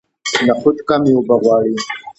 نخود کمې اوبه غواړي.